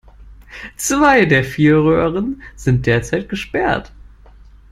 Zwei der vier Röhren sind derzeit gesperrt.